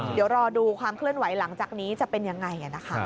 เดี๋ยวรอดูความเคลื่อนไหวหลังจากนี้จะเป็นยังไงนะคะ